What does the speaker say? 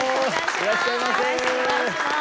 よろしくお願いします。